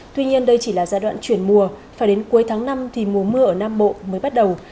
tuy nhiên đây chỉ là giai đoạn chuyển mùa phải đến cuối tháng năm thì mùa mưa ở nam bộ mới bắt đầu